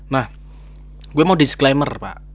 nah gue mau disclaimer pak